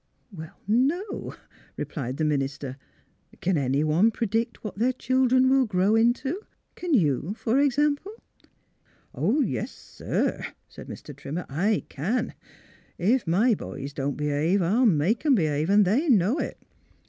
" Well, no," replied the minister. " Can any one predict what their children will grow into? Can you, for example? "Yes, sir," said Mr. Trimmer, " I can. If my 312 THE HEART OF PHILUEA boys don't behave, I'll make 'em behave, and they know it.